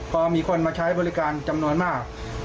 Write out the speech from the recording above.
พอมีคนมาใช้บริการจำนวนมาก